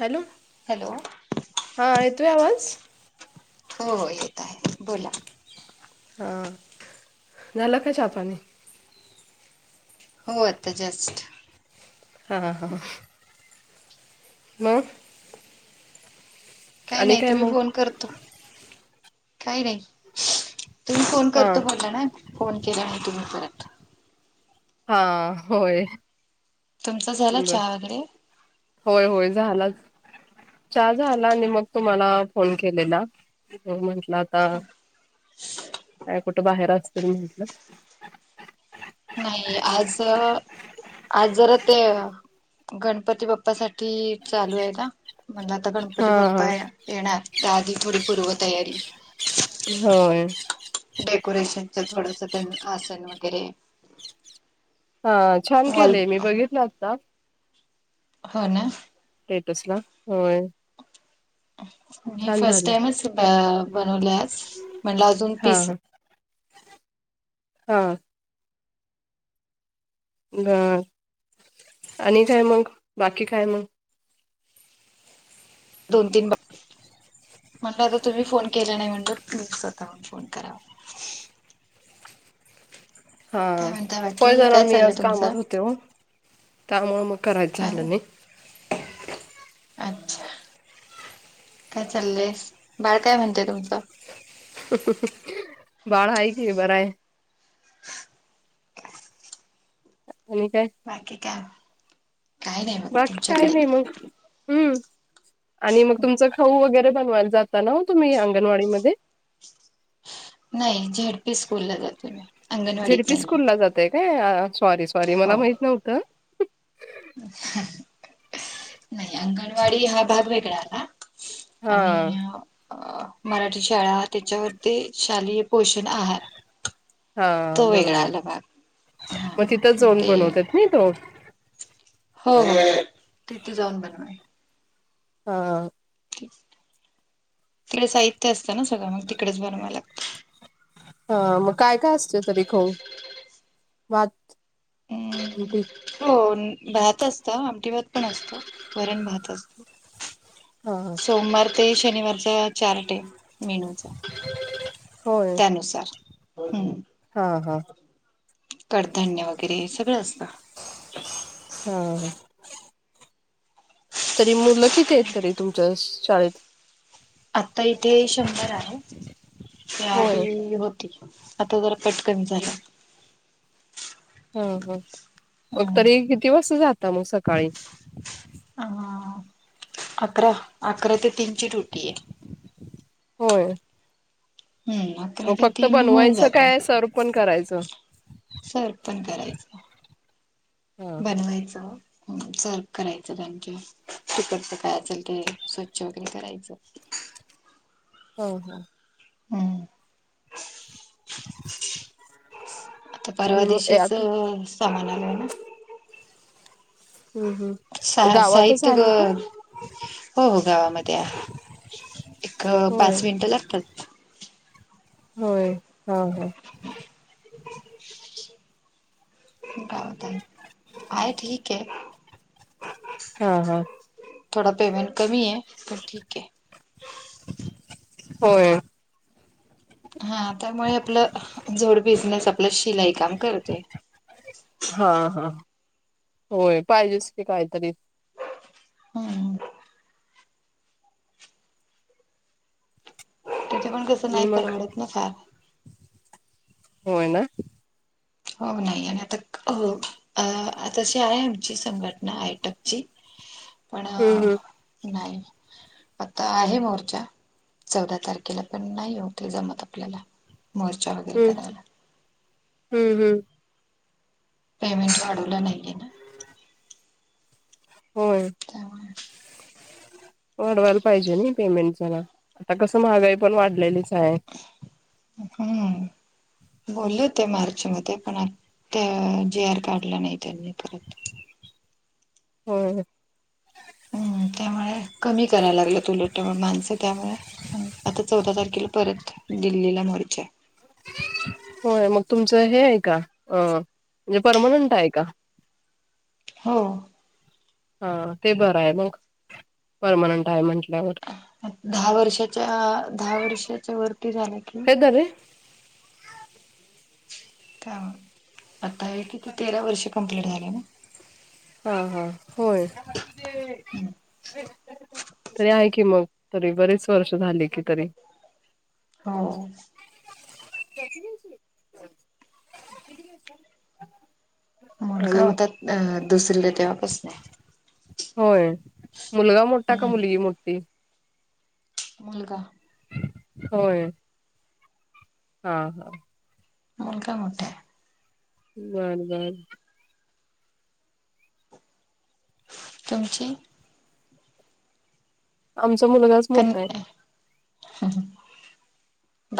Hello hello हा येतोय आवाज? हो येत आहे बोला. [inaudible] ह झाला का चहा पाणी? हो आता जस्ट. हां ह ह. म काही आणि नाही काय तुम्ही मग? फोन करतो काही नाही. तुम्ही फोन हा करतो बोला ना, फोन केला आणि तुम्ही परत. [inaudible] हा होय. तुमचा झाला बर चहा वगैरे होय होय झालाच. च्या झाला आणि मग तुम्हाला फोन केलेला बघुया म्हंटल. ना आता काय कुठं बाहेर असतील म्हटलं? नाही आज आज जरा ते अ गणपती बाप्पासाठी चालू आहे ना. म्हणल आता गणपती हा बाप्पा येणार, त्याआधी थोडी पूर्व तयारी होय. डेकोरेशनच थोडस तेन आसन वगैरे हा छान वॉल केलय मी बघितल आता हो ना. स्टेटस ला होय. मी छान फर्स्ट झाले टाइमच ब बनवलय आज, म्हणलं अजून हा पीस हा. ह आणि काय मग बाकी काय मग? दोन तीन बा म्हणलं आता तुम्ही फोन केला नाही, म्हणलं मिच स्वतःहून फोन करावा. हा काय म्हणता होय बाकी जरा काय मी चाललंय आज तुमचं? कामात होते हो, त्यामुळे मग करायचं झालं नाही. अच्छा काय चाललंयस? बाळ काय म्हणतय तुमचं? [unintelligible] बाळ हाय की बर हाय. आणि काय? बाकी काय? काय नाही बघा बाकी काय तुमच्याकडे नाही मग हम्म आणि मग तुमच खाऊ वगैरे बनवायला जाता ना ओ तुम्ही अंगणवाडी मध्ये नाही झेड पी स्कूल ला जाते मी झेड अंगणवाडीत पी नाहीये स्कूल ला जाताय काय? सॉरी सॉरी हो मला माहित नव्हतं. नाही, अंगणवाडी हा भाग वेगळा आला. हा आणि अ मराठी शाळा त्याच्यावरती शालेय पोषण आहार हा तो वेगळा बरोबर आला भाग हा मग तिथंच जावून ते बनवतात नाही तो हो हो तिथे जाऊन बनवाय. हां. तिकडे साहित्य असतं ना सगळं मग तिकडेच बनवाय लागत. हा मग काय काय असतय तरी खाऊ? भात, हम्म. आमटि हो भात असत आमटी भात पण असत, वरण भात असत. हा हा सोमवार ते शनिवारच्या चार टाइम मेनुचा होय त्यानुसार हम् हा हा. कडधान्य वगैरे हे सगळं असतं. ह हा. तरी मुलं किती आहेत तरी तुमच्या शाळेत? आता इथे शंभर आहेत होय त्याआधी हो आता जरा पट कमी झाला. हा हा मग तरी कितीवासता जाता मग सकाळी आ अकरा अकरा ते तीनची डूटी ए होय. हम्म. अकरा म ते फक्त तीन होऊन बनवायचं काय सरव पण करायचं? सरव पण करायचं हा हा. बनवायचं? सरव करायचं त्यांचं तिकडच काय असेल? ते स्वच्छ वगैरे करायचं. हो हो. हम्म. [inaudible] आता परवा आणि मग ए दिवशीच आता सामान आलय ना. हम्म हम्म. साह गावातच साहित्य आहे का? गं हो हो गावामध्ये आहे. एक होय पाच मिनिट लागतात. होय, हो हो. हो का होता. आहे ठीक आहे. हा हा. थोडा पेमेंट कमी आहे, पण ठीक आहे. होय. हा त्यामुळे आपलं झोड बिझनेस आपलं शिलाई काम करते. हा, हा, होय पाहिजेच की काहीतरी. हम्म [inaudible] आणि मग, परवडत ना फार होय ना. हो नाही. आणि आता हो अ आ तशी आहे. आमची संघटना आयटकची पण हम्म हम्म नाही. आता आहे मोर्चा चौदा तारखेला पण नाही. होत जमत आपल्याला. मोर्चा वगैरे हम्म करायला. हम्म हम्म. पेमेंट वाढवल नाही तिनं. होय त्यामुळे. वाढवायला पाहिजे ना पेमेंट जरा, आता कसं महागाई पण वाढलेलीच आहे. हम्म. बोलल होते मार्चमध्ये पण ते जी आर काढला नाही त्यांनी परत. होय. हम्म, त्यामुळे कमी करायला लागलं उलट माणसं त्यामुळे आता चौदा तारखेला परत दिल्लीला मोर्चा आहे. होय मग तुमचं हे आहे का? अ म्हणजे परमनंट आहे का? हो. हा ते बरं आहे. मग परमनंट आहे म्हटल्यावर. दहा वर्षाच्या, दहा वर्षाच्या वरती झाल्या की झाले. काय मग, आता हे किती तेरा वर्ष कंप्लीट झाले ना. हा, हा होय. तरी आहे की मग, तरी बरीच वर्ष झाली कि तरी हो. [inaudible] मुलगा आणि होतात अ दुसरीला तेव्हा पासून आहे. होय, मुलगा मोठा का हम्म मुलगी मोठी? मुलगा. होय. हा. मुलगा मोठा आहे. बर, बर. तुमची. आमचा मुलगाच. कांहीं मोठा आहे नाहीं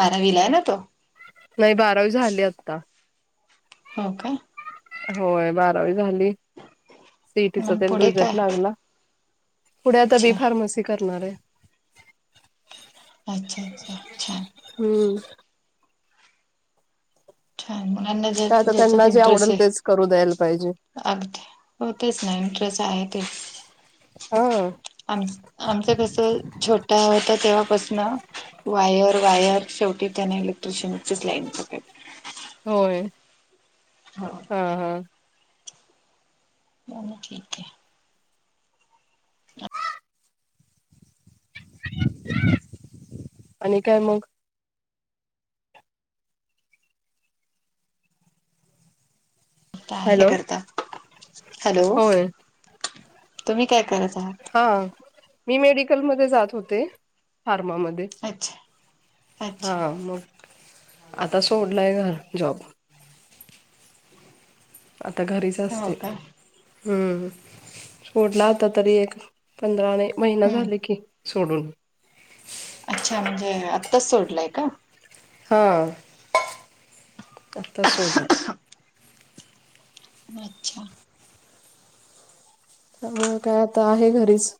बारावीलां आहे नां तो नाहीं बारांवी झालीं आता हो कां होयं बारांवी झालीं सिटीचां मग त्यांनां पुढे काय रिझल्ट लागलां पुढे आतां बी अच्छा फार्मसी करणारं आहे अच्छा अच्छा छांन हम्मं जे तर आता जेच्यांत त्यांना जे इंट्रस्ट आवडेल आहे तेच करू द्यायला पाहिजे अगदीं हो तेचं नां इंटरेस्ट आहे ते हा आम आमचं कसं छोटा होतां तेव्हांपासूनं वायर वायर शेवटी त्यांने इलेक्ट्रिशियनचीच लाईन पकडली होयं हां ठीक ठीक आणि कायं मंग हे हॅलो करतां हॅलो होय तुम्हीं कायं करतं आहांत हां मी मेडिकलमंध्यें जातं होते फार्मामंध्ये अच्छा अच्छा हां मंग आतां सोडलांय घरं जॉब ह [unintelligible] आतां घरीचं असतें हम्मं सोडलां होतां तरी एक पंधरा नेयं महिना हम्म झाले की सोडूनं अच्छा म्हणजे आत्ताचं सोडलायं कां हां आतां सोडलं अच्छा मंग कायं आतां आहे घरीचं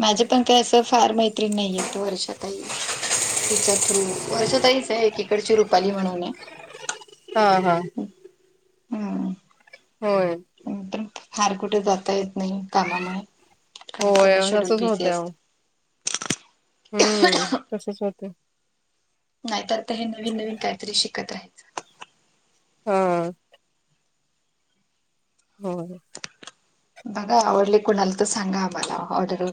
माझे पणं कांहीं असं फार मैत्रीण नाहीय वर्षं कांहीं तिच्या थ्रू वर्षातांईहीचं आहे एकीकडंची रुपाली म्हणूंन आहे हां हां हम्म होयं फार कुठे जातां येतं नाहीं कांमामुळे होय सगळं शेड्यूंल तसच बिझी असतं हम्मं तसंच होतं नाहीतर ते हे नवीन नवीन कांहीतरी शिकतं राहायचं हम्मं हो बघां आवडली कुणांला तरं सांगा आम्हांला आवडरं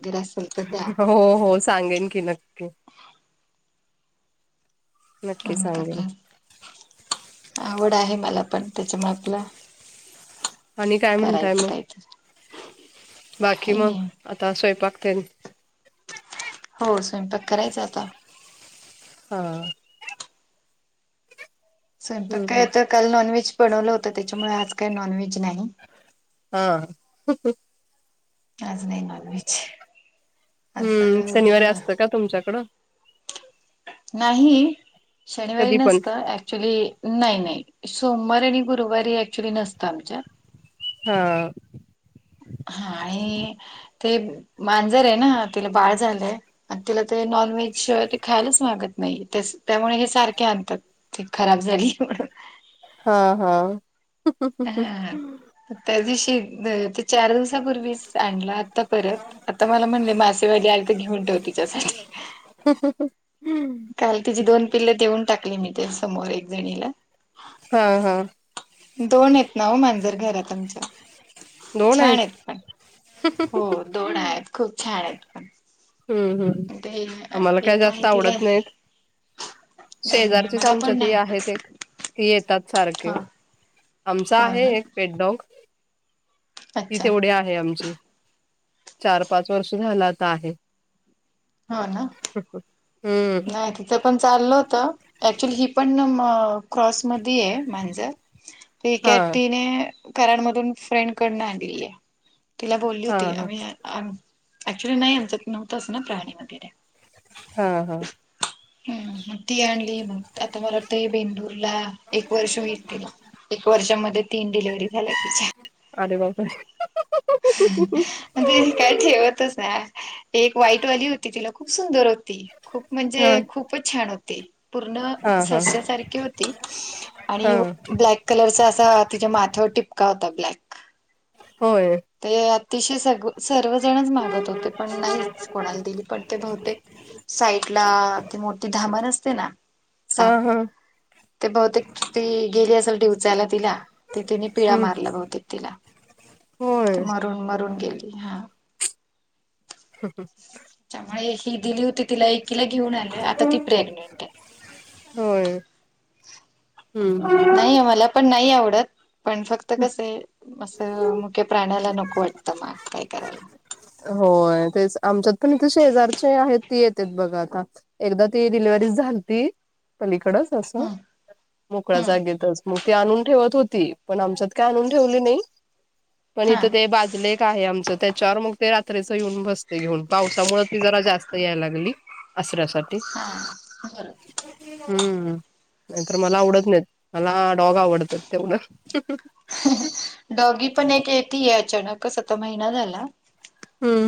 हो हो सांगेन की नक्की नक्की सांगेन आवंड आहे मलां पणं त्यांच्यामुळे आपलं आणि कायं म्हणतांय करायचं मंग काहीतरी. बाकी काही मंग नाही आतां स्वयंपांक ते हो स्वयंपांक करायचां आतां हां स्वयंपांक कायं हम्म तरं कालं नॉनव्हेज बनवलं होतं त्यांच्यामुळे आज काही नॉनव्हेजं नाहीं हं आंज नाहीं मानवांयचे हम्मं शनिवारी असतं कां तुमच्यांकडं नाहीं शनिवारी कधी पण नसतं ऍक्च्युली नाहीं नाहीं सोमवार आणि गुरुवारी ऍक्च्युली नसतं आमच्यातं हां हां आणि ते मांजर आहे नां तिलां बाळं झालंय आणि तिला ते नॉनव्हेज शिवाय ते खायलाच मागत नाही त्यामुळे हे सारखे आणतात. ते खराब झाली म्हणून. हा हा. हा त्या दिवशी ते चार दिवसापूर्वी आणलं आता परत आता मला म्हणले मासेवाली आ तर घेऊन ठेव तिच्यासाठी. [inaudible] हम्म. काल तिची दोन पिल्ल देऊन टाकली मी ते समोर एक जणीला. हा हा. दोन आहेत ना हो मांजर घरात आमच्या छान आहेत पण. हो दोन आहेत खूप छान आहेत. हम्म हम्म ते आम्हाला काय एक जास्त आहे तिला आवडत नाहीत. नाही नाही शेजारचीच आम्हाला आमच्या पण ती आहेत एक ती येतात सारखी. हा. आमचा आहे एक पेटडॉग ति अच्छा तेवढे आहे आमची. चार पाच वर्ष झाला आता आहे. हा. ह. नाही. पण चालल होत ऍक्च्युली ही पण क्रॉस मध आहे मांजर. ठीक हा आहे तिने कराडमधून फ्रेंड कडून आणली आहे. तिला बोलली हा होती हा आम्ही ऍक्च्युली नाही आमचत नव्हतंच ना प्राणी वगैरे. हा हा. ती आणली आता मला वाटते बेंदूरला. एक वर्ष होईल तिला एक वर्षामध्ये तीन डिलिव्हरी झाल्या तिच्या. अरे बापरे! म्हणजे काय ठेवतच ना. एक वाईट वाली होती तिला खूप सुंदर होती खूप हा म्हणजे खूपच छान होती. पूर्ण हा हा सस्यासारखी होती हा आणि ब्लॅक कलरचा असा तिच्या माथ्यावर टिपका होता ब्लॅक. होय. ते अतिशय सग सर्वजणच मागत होते पण नाहीच कोणाला दिली पण ते बहुतेक साईड ला ते मोठीे धामण असते ना. ह साप ह. ते बहुतेक ती गेली असेल डिवचायला तिला त तिने पिळा हम्म मारला बहुतेक तिला. होय मरून मरून गेली हा. हम हम. त्यामुळे ही दिली होती तिला एकीला घेऊन आले आता ती प्रेग्नेंट आहे. होय. हम्म. नाही आम्हाला पण नाही आवडत पण फक्त तर कसं आहे असं मुख्य प्राण्याला नको वाटतं मग काय करायला. होय तेच आमच्यात पण इथे शेजारचे आहेत ती येतेत बघा आता. एकदा ती डिलिव्ही झालती. पलीकडच असं हम्म मोकळ्या हम्म जागेतच मग ती आणून ठेवत होती. पण आमच्यात काय आणून ठेवले नाही पण हा इथं ते बाजूला एक काय आमचं त्याच्यावर मग ते रात्रीच येऊन बसते घेऊन पावसामुळे ती जरा जास्त याय लागली. अससऱ्यासाठी. हा बरोबर हम्म नाहीतर मला आवडत नाहीत मला डॉग आवडतात तेवढ. डॉगी पण एक येतय अचानकस महिना झाल.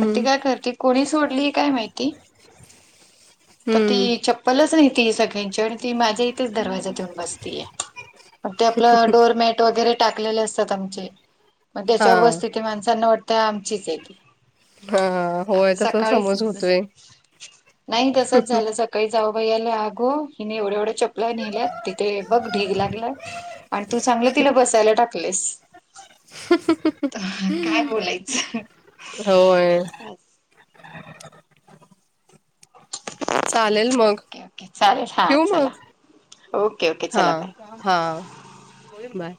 पण ती काय करते कोणी सोडली काय माहित? [inaudible] [inaudible] तर हम्म ती चप्पलच आणती सगळ्यांच्या आण ती माझ्या इथेच दरवाजात येऊन बस्ती या. ते आपलं डोअरमॅट वगैरे टाकलेले असतात आमचे म हा त्याच्यावर बसते. त्या माणसांना वाटतं आमचीच आहे ती. हा होय आता तस सकाळीच समज होतोय नाही तसच झालं सका काही जाऊ बाई आगो हिने एवढे एवढे चपला नेल्यात तिथे बघ ढीग लागलाय आणि तू चांगलं तिला बसायला टाकलस. त काय बोलायचं? होय चालेल मगं ओके ओके चालेल हा ठेऊ चला मगं. ओके ओके हा चला बाय हा बाय.